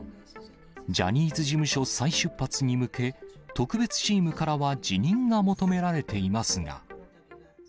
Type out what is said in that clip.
ジャニーズ事務所再出発に向け、特別チームからは辞任が求められていますが。